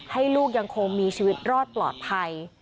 ให้ลูกยังคงมีชีวิตรอดปลอดภัย